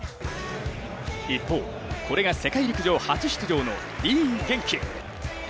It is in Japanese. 一方、これが世界陸上初出場のディーン元気。